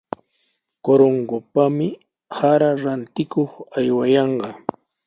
Corongopami sarata rantikuq aywayanqa.